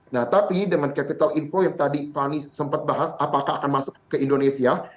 nah tapi dengan capital info yang tadi fani sempat bahas apakah akan masuk ke indonesia